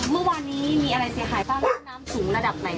เมื่อวานนี้มีอะไรเสียหายบ้างเรื่องน้ำสูงระดับไหน